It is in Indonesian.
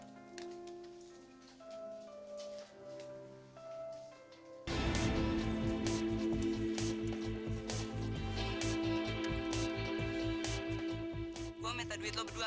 saya minta duit kamu berdua